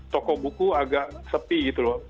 toko buku agak sepi gitu loh